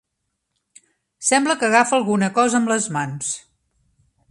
Sembla que agafa alguna cosa amb les mans.